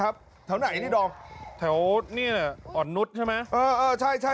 อุ๊ยถ้าไหนนี่ดอมถ้าโหดนี่อ่อนนุษย์ใช่ไหม